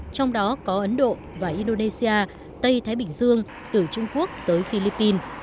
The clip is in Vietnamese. trong đó có ấn độ và indonesia tây thái bình dương từ trung quốc tới philippines